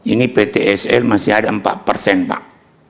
ini ptsl masih ada empat persen pak